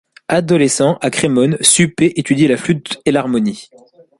Adolescent, à Crémone, Suppé étudie la flûte et l'harmonie.